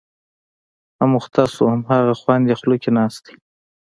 اموخته شو، هماغه خوند یې خوله کې ناست دی.